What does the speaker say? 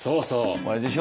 あれでしょ？